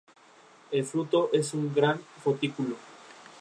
Si bien se plantearon numerosos ramales a la línea, estos tardaron en concretarse.